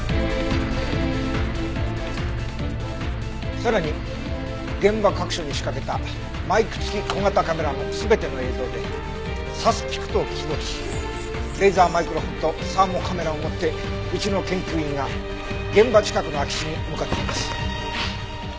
さらに現場各所に仕掛けたマイク付き小型カメラの全ての映像でサスピクトを起動しレーザーマイクロフォンとサーモカメラを持ってうちの研究員が現場近くの空き地に向かっています。